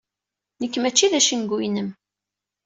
Nekk mačči d acengu-inem.